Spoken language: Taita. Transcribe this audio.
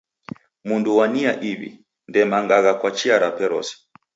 Mundu wa nia iw'i, ndemangagha kwa chia rape rose.